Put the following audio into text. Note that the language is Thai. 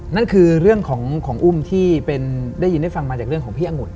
นั่นคือเรื่องของอุ้มที่เป็นได้ยินได้ฟังมาจากเรื่องของพี่องุ่น